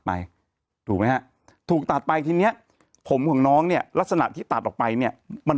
ไปถูกไหมฮะถูกตัดไปทีเนี้ยผมของน้องเนี่ยลักษณะที่ตัดออกไปเนี่ยมัน